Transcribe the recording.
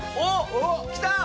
きた！